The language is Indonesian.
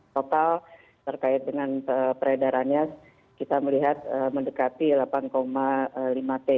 total terkait dengan peredarannya kita melihat mendekati delapan lima t